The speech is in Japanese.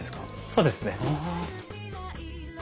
そうですね。